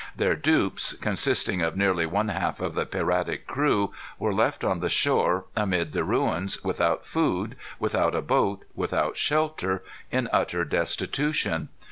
Their dupes, consisting of nearly one half of the piratic crew, were left on the shore amid the ruins, without food, without a boat, without shelter, in utter destitution.